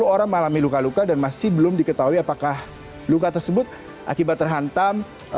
sepuluh orang mengalami luka luka dan masih belum diketahui apakah luka tersebut akibat terhantam